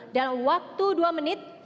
dan waktu dua menit